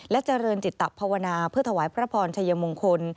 เจริญจิตภาวนาเพื่อถวายพระพรชัยมงคล